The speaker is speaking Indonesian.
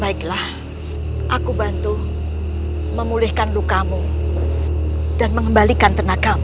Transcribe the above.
baiklah aku bantu memulihkan lukamu dan mengembalikan tenagamu